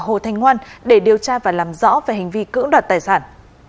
học và hồ thanh ngoan để điều tra và làm rõ về hành vi cưỡng đoạt tài sản